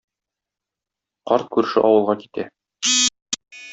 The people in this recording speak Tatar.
Карт күрше авылга китә.